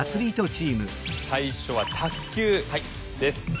最初は「卓球」です。